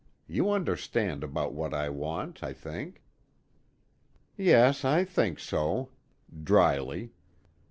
You understand about what I want, I think." "Yes. I think so," drily.